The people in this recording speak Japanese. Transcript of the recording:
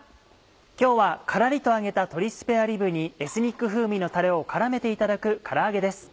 今日はカラリと揚げた鶏スペアリブにエスニック風味のタレを絡めていただくから揚げです。